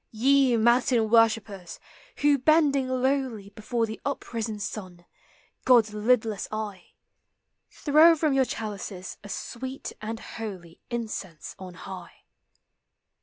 Ye matin worshippers ! who bending lowly Before the uprisen sun, God's lidless eye, Throw from your chalices a sweet and holy Incense on high.